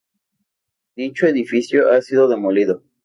dicho edificio ha sido demolido